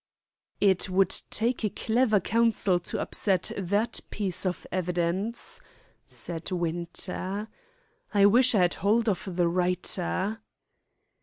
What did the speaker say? "It would take a clever counsel to upset that piece of evidence," said Winter. "I wish I had hold of the writer."